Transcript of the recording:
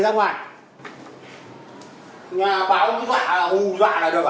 nhà báo hù dọa là được à